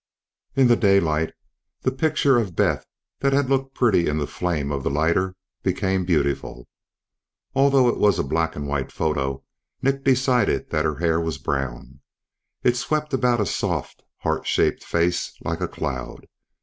In the daylight, the picture of Beth that had looked pretty in the flame of the lighter, became beautiful. Although it was a black and white photo, Nick decided that her hair was brown. It swept about a soft, heart shaped face like a cloud.